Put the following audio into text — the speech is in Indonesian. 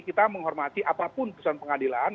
kita menghormati apapun keputusan pengadilan